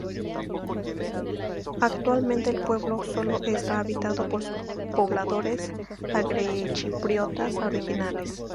Actualmente el pueblo sólo está habitado por sus pobladores greco-chipriotas originales.